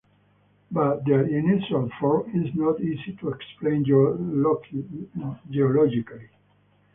But their unusual form is not easy to explain geologically.